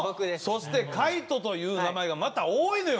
そして「かいと」という名前がまた多いのよ！